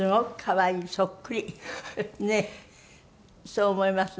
そう思います。